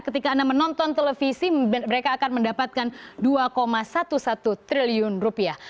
ketika anda menonton televisi mereka akan mendapatkan dua sebelas triliun rupiah